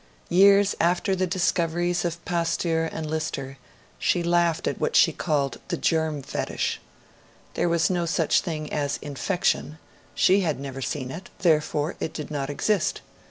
Years after the discoveries of Pasteur and Lister, she laughed at what she called the 'germ fetish'. There was no such thing as 'infection'; she had never seen it, therefore it did not exist.